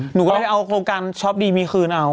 หนูก็เลยเอาโครงการช็อปดีมีคืนเอา